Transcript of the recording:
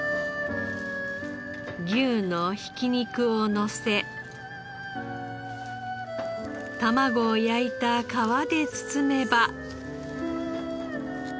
牛のひき肉をのせ卵を焼いた皮で包めば。